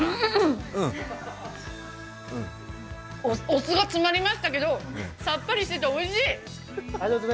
お酢が詰まりましたけどさっぱりしてておいしい！